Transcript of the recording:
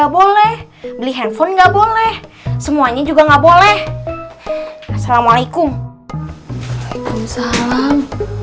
boleh beli handphone nggak boleh semuanya juga nggak boleh assalamualaikum waalaikumsalam